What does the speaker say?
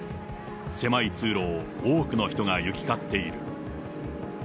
狭い通路を多くの人が行き交っている。